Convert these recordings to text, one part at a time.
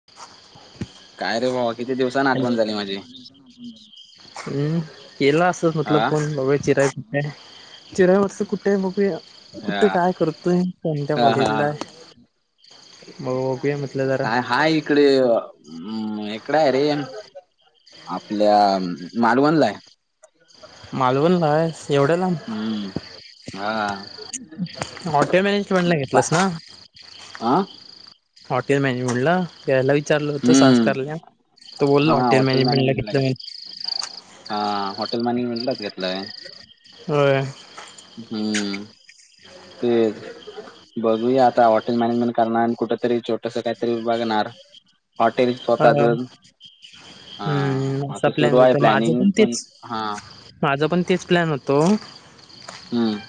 [inaudible] काय रे भावा किती दिवसांन हॅलो आठवण झाली माझी? हम्म. केला असंच म्हंटल हा फोन विचराय चिराय व्हाटसप कुठे बघूया हा कुठं काय करतोय कोणत्या हा हा कॉलेजला हा. आहे? बघू या म्हटलं जरा. काय हाय इकडे य हम‌ इकडे य रे आपल्या अम मालवन हाय. मालवणला‌ आहेस एवढ्या लांब. हम्म हा हॉटेल मॅनेजमेंट ला घेतलंस ना ‌? आं हॉटेल मॅनेजमेंट ला. त्याला विचारलं होतं हम्म संस्कार ल्या तो बोलला हॉटेल मॅनेजमेंटला घेतलंय म्हणे. हा हॉटेल मॅनेजमेंट ला घेतलंय. होय‌. हम्म. तेच [inaudible] बघूया आता हॉटेल मॅनेजमेंट करणार अन कुठेतरी छोटंसं काय तरी बघणार. हॉटेल हा. स्वतःच हम्म हा असा असं सुरू प्लॅन आहे होता माझं प्लॅनिंग पण तेच हा माझा पण तेच प्लॅन होतो हम्म.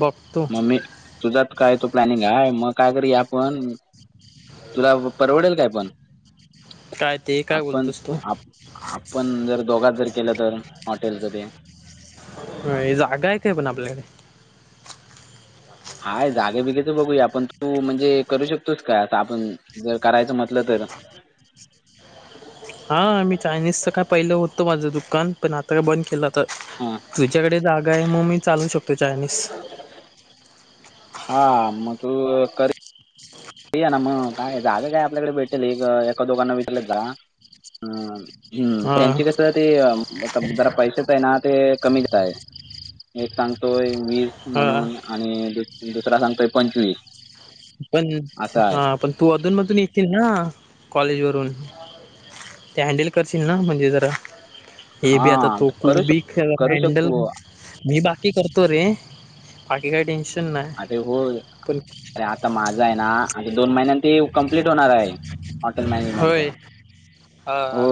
बप म मी तुझाच काय तो प्लॅनिंग आय म काय करूया आपण ‌ तुला परवडेल काय पण काय ते काय आपण बोलतोस तू आप आपण जर दोघात ‌ जर ‌ केलं तर ‌ हॉटेलचं ते होय जागा ए का पन आपल्याकड? हाय जागे बीगेच बघुया आपण. तू म्हणजे करू शकतोस काय आता आपण जर करायचं म्हटलं तर? हा मी चायनिजच का पहिलं होतं माझं दुकान पण आता बंद केलं आता. हां. तुझ्याकडे जागा आहे म्हणून मी चालू शकतो चायनीस हा म तू या अ करे [inaudible] [unintelligible] ते आ मग काय जागा आपल्याकडे भेटत रे एका दोघांना विकलं का हम हम्म हां, त्यांचे कसं अम तम ते जरा पैशेच आहे ना ते कमीच आहे. एक सांगतोय विस हां. आणि दुसरा सांगतोय पंचविस. पण हा पण तू अधून मधून येतील ना कॉलेज वरून? ते हँडल करशील ना म्हणजे जरा. हे बी आता हां तो कू करू शक बिखर करू हंडल शकतो मी बाकी करतो रे बाकी काय टेन्शन नाही. अटे हो पण अरे आता माझा आहे ना अटे दोन महिन्यान ते कम्प्लीट होणार आहे. हॉटेल मॅनेजमेंट चा. हा हा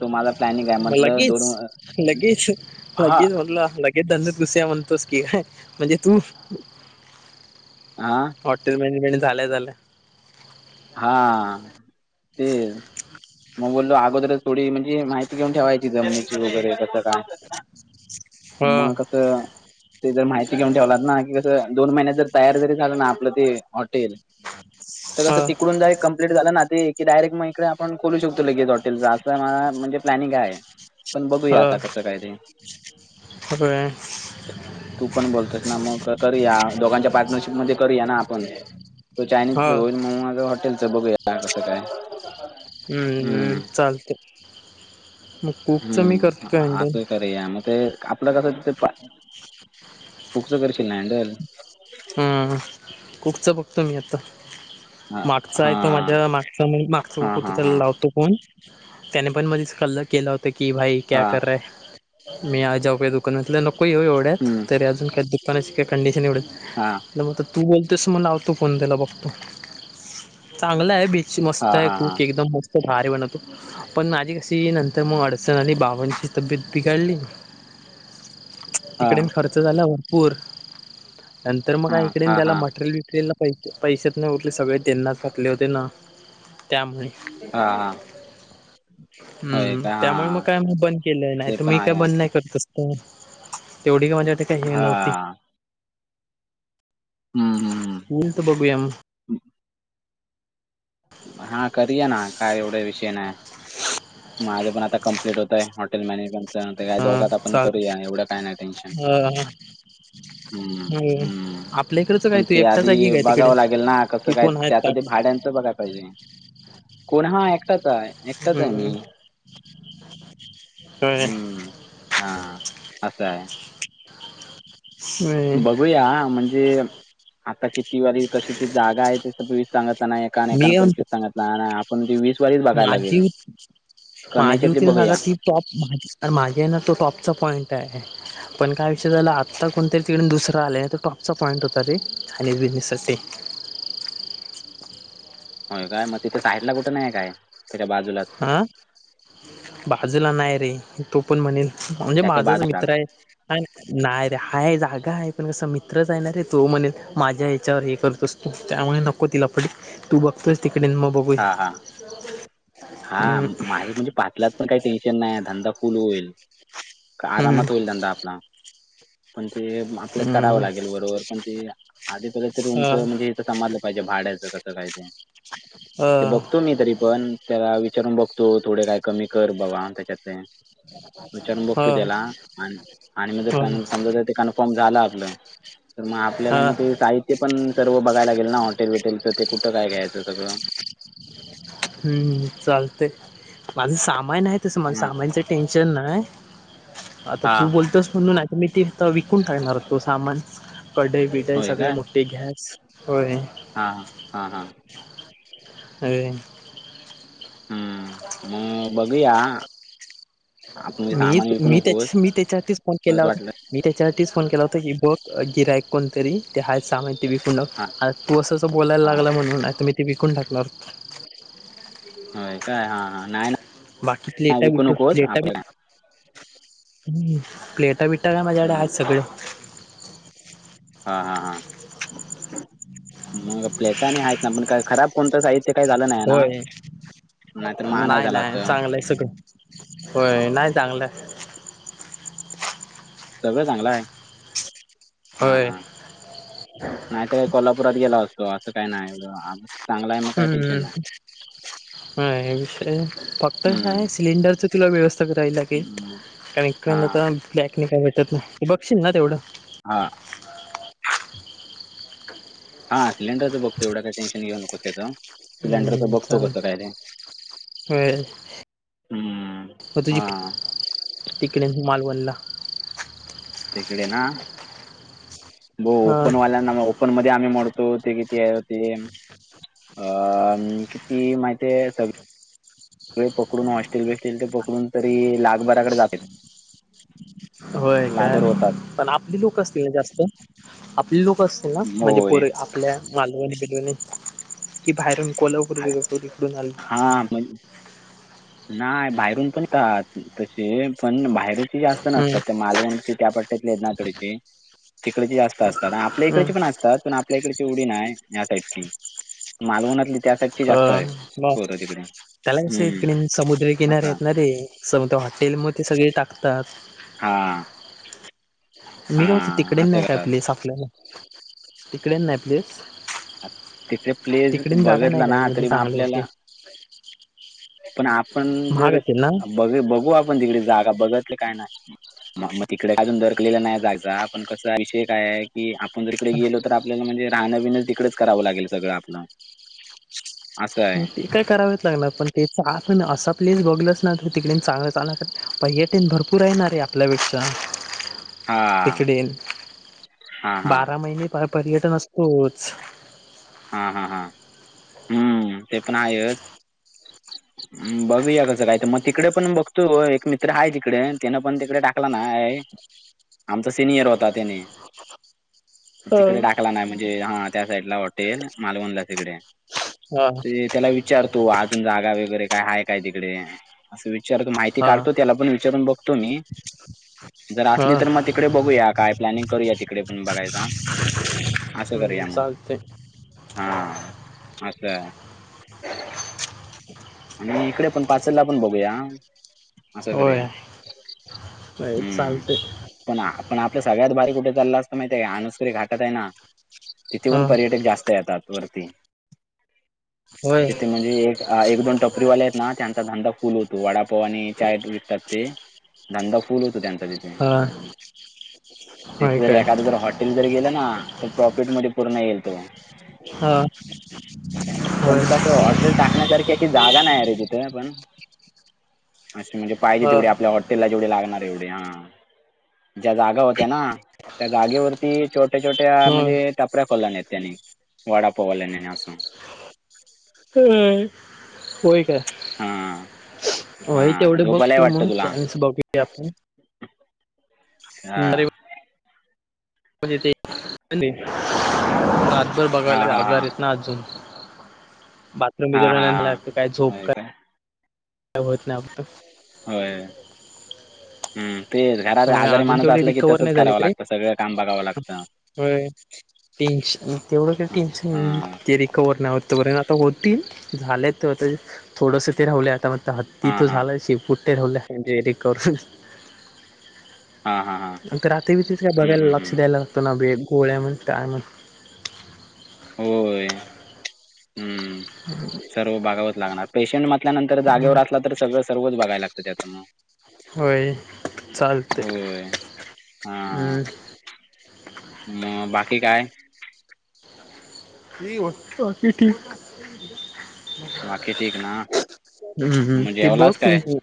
तो माझा प्लॅनिंग आहे म‌ म्हटलं दोन लगीच लगीच हा लगेच म्हणलं लगेच‌ धंद्यात ‌ घुसूया म्हणतोस की म्हणजे तू आं हॉटेल मॅनेजमेंट झाल्या झाल्या. हा ते म बोललो अगोदरच थोडी म्हणजे माही ती घेऊन ठेवायची जमनीची वगैरे कसं काय हा म कसं ते जर माहिती घेऊन ठेवलात ना की कसं दोन महिन्यात जर तयार जरी झालं ना आपलं ते हॉटेल हा. तुझं कम्प्लीट झालं ना, आपण डायरेक्ट खोलू शकतो लगेच हॉटेल असं माझं प्लॅनिंग हाय. [inaudible] पण बघूया आता कसं काय ते. होय तू पण बोलतोस ना मग करूया दोघांच्या पार्टनरशिप मध्ये करूया ना आपण. तुझं हा चायनीज होईल मग माझा हॉटेलचा बघू कसा काय. हंम हम्म हंम चालतंय मग कुकचं मी हम्म करतो आ हँडल ते करया मग ते [unintelligible] आपलं कसं ते कूकच करशील ना हँडल हम्म [unintelligible] च बघतो मी आता हां मागचा आहे तो हां मला. मागचा हां होता हां त्याला हां लावतो फोन त्याने पण मध्येच कल्ला केला होता. हां [unintelligible] म्हटलं नको येऊ एवढ् हम्म तरी अजून काही दुकानाची काय कंडिशन एवढ हां मग तू बोलतोयस तर मी लावतो फोन त्याला चांगला आहे बी. मस्त हां आहे हां हां कूक एकदम मस्त भारी बनवतो पण माझी कस ती नंतर मग अडचण आली आणि बाबांची तब्येत बिघडली हां तिकडे मग खर्च झाला भरपूर नंतर मग हां इकडे काय हां त्याला हां मटरेल बीटृरेलला पैसेच नाही उरले सगळे. त त्यांना टाकले होते ना त्यामुळे हा हा. हम्म त्यामुळे मग हां काय बंद केले ते नाही पण मी आहे नाही तर तसं नाही बंद करणार मी. तेवढी काय माझ्यासाठी हे नव्हती. हां मीलत बघूया मग हम् हा करूया ना काय एवढा विषय नाय. माझं पण आता कम्प्लीट होतंय हॉटेल मॅनेजमेंट. त्यानंतर काय आपण हा दोघात चाल करूया एवढं काय नाय टेन्शन. ह हम्म हम्म आपल्या इकडचं काय पण तू ते एकटाच आधी आहे की काय तिकडे बघावं लागेल ना कि कसं. काय कोण आहेत त्याच का ते भाड्यांचं बघाय पाहिजे कोण हा एकटाच हाय. हम्म. हम्म हां असं हाय. [unintelligible] बघूया म्हणजे? आता किती वारी कशी ती जागा आहे. तवीस सांगितला नाही एकाने एका मी काय म्हणतो पंचवीस सांगितला नाही. पण ती वीस वालीच बघायला लागेल माझी कमी माझी याच्यातली होती ना सांगा बघूया. ती टॉप अरे मागे हाय ना, तो टॉपचा पॉइंट हाय. पण काय विषय झाला आत्ता कोणतरी तिकडून दुसरां आलाय तर टॉपचा पॉईंट होता ते बिझनेस साठी. व्हय काय मग तिथं साईडला कुठे नाय हाय काय? त्याच्या बाजूलाच हां बाजूला नाही रे तू पण म्हणेल त्याच्या माझाच बाजूला मित्र हाय. नाही रे हाय जागा आहे पण कस मित्रच आहेणार रे तो म्हणेल माझ्या या्याच्यावर हे करतोस. त्यामुळे नको ती लफडी तू बघतोयस तिकडे बघू. हां. हां. [inaudible] हा हम्म माझे म्हणजे पाच [unintelligible] पण काही टेन्शन नाही धंदा फुल होईल. का हम्म आरामात होईल धंदा आपला पण ते मग आपल्याच करावं हम्म लागेल बरोबर, पण ते आधी पहिले तर ह रूमचं म्हणजे इथं समाजलं पाहिजे भाड्याचं कसं काय ते. ह ते बघतो मी तरी पण. त्याला विचारून बघतो थोडे काय कमी कर बाबा आणि त्याच्यातले. विचारून ह बघतो त्याला आणि आणि मग जर ह समजा ज ते कन्फर्म झालं आपलं. तर मग ह आपल्याला मग ते साहित्य पण सर्व बघायला लाेल ना हॉटेल वटेलच ते कुठं काय घ्यायचं सगळं? हम्म चालतंय. माझं सामान आहे, तसं माझ्या हां सामानच टेनशन नाहीय. आता तू हां बोलतोस म्हणून आता, मी ते विकून टाकणार तो सामान. कढई बिठई होय सगळे मोठ्ठी गॅस होय. हा हा हा. होय. हम्म मग बघूया. आपण ते मी सामान विकू मी नकोस त्याच्या मी त्याच्यावरतीच फोन केला परत होता. वाटलं मी त्याच्यासाठीच फोन केला होता, की बघ गिराईक कोणतरी ते हाय सामान ती विकूण लाव. हा. अ तू असं बोलायला लागला म्हणून आता मी ते विकून टाकलं असतं. होय काय हां हां नाही बाकी नाही प्लेटा वि विकू नकोस प्लेटा आपण बिट हम्म प्लेटा बिट्टा का माझ्याकडे हां आहेत सगळे. हा हा हा. मग प्लेता आणि हाईत. पण काय खराब कोणतं साहित्य काही झालं नाही ना? होय नाहीतर मग आणाय नाही झालं नाही असतं चांगलं सग होय नाही चांगलंय. सगळं चांगलं आहे. हा होय हा. नाही तर कोल्हापुरात गेलो असतो असं काही नाही. [unintelligible] काय हम्म. टेन्शन नाही हे विषय फक्त हम्म, काय सिलेंडरच तुला व्यवस्था करावी लागेल. हम्म, कारण का हां आता ब्लॅक पिकनिकत ना बघशील ना तेवढं. हा. हा सिलेंडरचं बघतो एवढं काय टेन्शन घेऊ नको त्याच. सिलेंडरच बघतो कसं काय ते. होय. हम्म, मग तुझी हां तिकडेच मालवनला. तिकडे ना ब हा ओपनवाला ओपन मध्ये आम्ही मोडतो, ते किती आहे याव ते अ किती माहिती आहे सग ळे पकडून हॉस्टेल बिस्टेल ते पकडून तरी लाखभराकडे जातेत. होय काय? पण आपली लोक असतील ना जास्त, आपली लोक अस- ते न म्हणजे होय पोरे आपल्या मालवणी बिलवणी, की बाहेरून कोल्हापूरी [unintelligible] हा मग नाही बाहेरून पण [unintelligible] तसे पण बाहेरच ते जास्त हम्म नसतात त्या मालवणची त्या पट्ट्यातले आहेत ना कडची. तिकडचे जास्त असतात आणि आपल्या हम्म इकडचे पण अस- तात पण आपल्या इकडची एवढी नाई, त्या टाइपची मालवणतली. अ बर त्याला कसं हम्म येतं [unintelligible] समुद्र किनारी असा आहेत ना ते. स हॉटेल म ते सगळे टाकतात. हा मी काय म्हणतो हा तिकडे असं नाही काय करतात प्लेस आपल्याला? तिकडे नाही प्लीस. तिकडे प्लेस बघितला ना तरी मग चांगली अशी आपल्याला. पण आपण महाग जर असेल ना? बघू आपण तिकडे जागा बघत ले काय नाही, होत मग तिकडे अजून तर. नाही जागा आपण कस विषय काय आहे की आपण जर इकडे गेलो. तर आपल्याला म्हणजे राहं बिन तिकडच करावं लागेल सगळं आपलं. असं आहे होते काय करावच लागला पण तेचा फण असा प्लेस बघलच ना तर तिकडे चांगलं चांगलं पाहिजे. ते भरपूर आहे ना रे आपल्यापेक्षा हा तिकडे, हा हा बारा महिने परह पर्यटन असतोच. हा हा हा, हम्म. ते पण आहेच, बघूया कसं काय तर म तिकडे पण बघतो एक मित्र आहे तिकडे तिनं पण तिकडे टाकलान आहे. आमचा सिनियर होता त्याने हा तिकडे टाकला नाही. म्हणजे हा त्या साईडला वाट तेन मालवणला तिकडे, सोई त्याला विचारतो, अजून जागा वगैरे काय आहे काय तिकडे? असं विचारतो, माहिती हा काढतो त्याला पण विचारून बघतो मी. जर असली तर हा मग तिकडे बघूया. काय प्लॅनिंग करूया तिकडे पण बघायला. असं करूया मग. चालते हा आता. आणि इकडे पण पाचंडला ला पण बघूया. असं करूया होय होय हम्म. चालते पण आपण आपलं सगळ्यात भारी कुठे चालला असं माहितय आहे आनुसकरी घाटात आहे ना तिथे हा पण पर्यटक जास्त वरती होय तथे म्हणजे एक अ एक दोन टपरीवाले आहेत ना त्यांचा धंदा फुल होतो वाडा हो आणि चाय विकतात ते धंदा फु होतो त्यांचा तिथे. हा होय तिथे जर काय एखाद्या जर हॉटेल जर गेलं ना, तर प्रॉफिट मध्ये पूर्ण येईल तो. हा पण होय तिथ अस हॉटेल. टाकण्यासारखी अशी जागा नाही रे तिथे, पण असं म्हणजे पाहिजे हा तेवढे आपल्या हा. ला जेवढे लागणार एवढे हा, ज्या जागा होत्या ना त्या जागेवरती छो छोट्या छोट्या म्हणजे टपऱ्या खोल्या नाईत त्याने वाडा पोवाल्याने अस. हे होय काय? हां होय हां तेवढे बघ झोपायलाही तू वाटतं मग तुला चान्स बघूया आपण. हा णज ते रातभर हां बघायलाग हां आजार येत हां ना अजून. बाथरूम ब हां हां ज हां लागत काय होय झोप का होत नाही. होय हम्म. ते घरात होय आजारी अजून माणूस तेवढे असला की रिकवर तसच नाही झाले करावं तरी लागत सगळं काम बघावं लागत. होय टेन्शन तेवढं काय टेन्शन? ते रिकवर नाही होतपर्यंत आता होतील, झालेत तो आता ते थोडंसं ते रावले आता म हात हां तिथ हां झालंय शिपुट्टेठल्या रवले रिकवर हा हा हां. रात्री बी तच काय हं, बघायला हं, लक्ष हं. द्यायला लागतो नाे गोळ्या म्हण काय म्हण? होय, हम्म, सर्व बघावत लागणार पेशंट मात त्यानंतर जागेवर असला तर सगळं सर्वच बघाय लागतं त्याच्या मग. होय चालतंय होय. हा. हम्म मग बाकी काय? बाकी ठीक. बाकी ठीक ना? हम्म. हम् मग ती बघ जेवलास काय? कुंकू.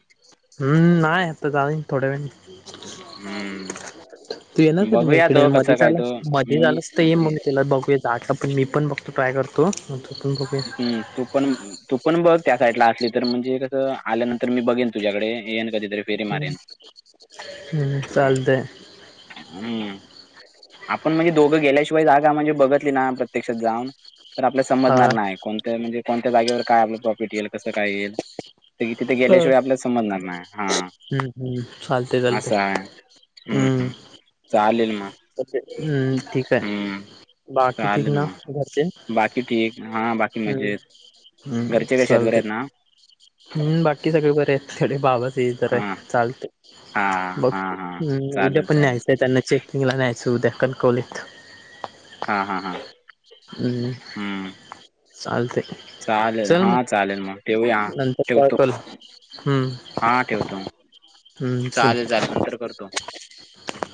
हुमं नाही जाईल आता थोड्यावेळानी. हं. तू येणार कधी मग बघूया इकडे तो मध्ये कसा काय तो. मध्येच मी आलास. ये ए मग तेला बघूया, आता पण मी पण बघतो ट्राय करतो मग तू पण बघूया. हं. तू पण तू पण बघ त्या साईडला असली तर म्हणजे कसं आल्यानंतर मी बघेन तुझ्याकडे. येन कधि तरी फिरी मारेन हम्म हंम. चालतंय हम्म. आपण म्हणजे दोघं गेल्याशिवाय जागा म्हणजे बघत ना प्रत्यक्षात जाऊन, तर आपल्या हा समजणार नाही. कोणत म्हणजे कोणत्या जागेवर काय आपलं प्रॉफिट येईल, कसं काय येईल. तर की तिथे हम्म गेल्याशिवाय आपल्या समजणार नाय हा हम्म चालतंय चालतंय असं आहे. हं हम्म चालेल मग हम्म ठीक आहे. हं बाकी ठीक चालेल ना मग घरचे? बाकी ठीक हां बाकी हम्म. मजेत हम्म. घरचे कसे आहेत बरे आहेत चालतंय. ना हम्म बाकी सगळे बरे आहेत. तेवढं बाबाच हे जरा हां आहे चालते. हां बघ हां हां हम् उद्या चालेल पण चालेल न्यायचंय त्यांना चेक किंगला न्यायचं उद्या कणकवलीत. हा हा हा. हम्म हम्म. चालतंय चालेल चल हा मग चालेल मग ठेवूया. नंतर कॉल ठेवतो कर हम्म हा ठेवतो हम्म चल चालेल नंतर करतो. हं